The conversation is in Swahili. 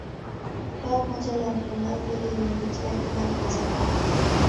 bao moja la ronaldo lilimvutia kila mtazamaji